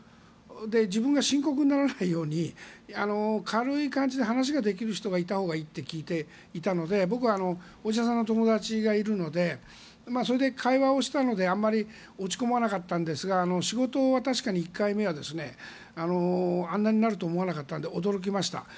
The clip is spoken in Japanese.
自分が深刻にならないように軽い感じで話ができる人がいたほうがいいと聞いていたので僕はお医者さんの友達がいるのでそれで会話をしたのであまり落ち込まなかったんですが仕事は確かに１回目はあんなになるとは思わなかったので驚きました。